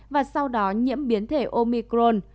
và sau đó nhiễm biến thể omicron